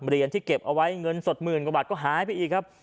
เหรียญที่เก็บเอาไว้เงินสดหมื่นกว่าบาทก็หายไปอีกครับ